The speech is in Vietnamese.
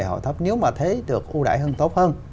họ thấp nếu mà thế được ưu đại hơn tốt hơn